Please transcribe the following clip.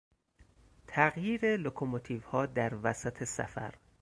تغییر لوکوموتیوها در وسط سفر